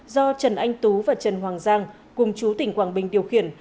do trần anh tú và trần hoàng giang cùng chú tỉnh quảng bình điều khiển